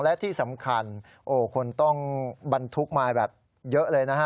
และที่สำคัญคนต้องบันทุกข์มาเยอะเลยนะครับ